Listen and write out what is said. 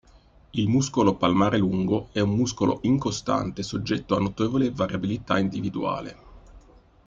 Il muscolo palmare lungo è un muscolo incostante soggetto a notevole variabilità individuale.